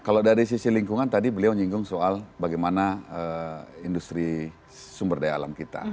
kalau dari sisi lingkungan tadi beliau nyinggung soal bagaimana industri sumber daya alam kita